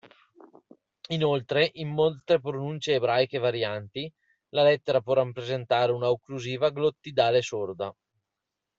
Inoltre, in molte pronunce ebraiche varianti la lettera può rappresentare una occlusiva glottidale sorda.